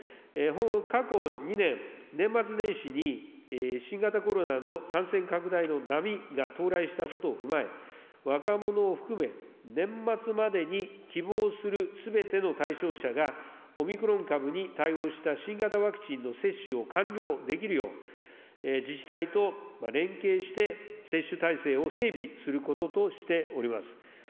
過去２年、年末年始に新型コロナの感染拡大の波が到来したことを踏まえ、若者を含め、年末までに希望するすべての対象者が、オミクロン株に対応した新型ワクチンの接種を完了できるよう、自治体と連携して接種体制を整備することとしております。